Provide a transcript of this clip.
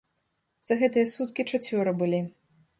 За гэтыя суткі чацвёра былі.